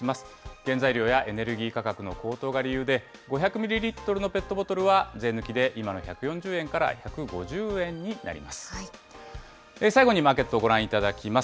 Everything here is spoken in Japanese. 原材料やエネルギー価格の高騰が理由で、５００ミリリットルのペットボトルは税抜きで今の１４０円から１５０円になります。